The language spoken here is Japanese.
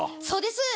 そうです。